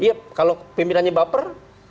iya kalau pimpinannya baper